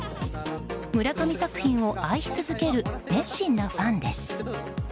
村上作品を愛し続ける熱心なファンです。